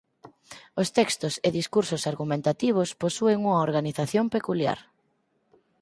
Os textos e discursos argumentativos posúen unha organización peculiar.